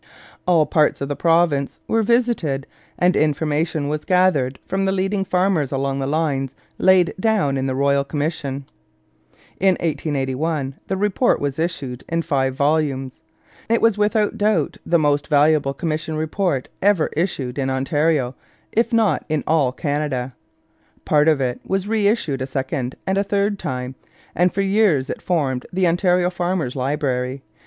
All parts of the province were visited and information was gathered from the leading farmers along the lines laid down in the royal commission. In 1881 the report was issued in five volumes. It was without doubt the most valuable commission report ever issued in Ontario, if not in all Canada. Part of it was reissued a second and a third time, and for years it formed the Ontario farmer's library.